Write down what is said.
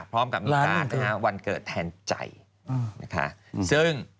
พร้อมกับวันเกิดแทนใจนะคะซึ่ง